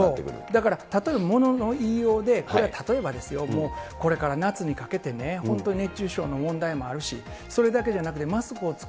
だからたとえ、ものの言いようで、これは例えばですよ、もうこれから夏にかけてね、本当に熱中症の問題あるし、それだけじゃなくて、マスクを着